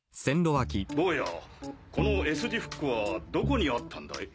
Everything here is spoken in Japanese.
ボウヤこのＳ字フックはどこにあったんだい？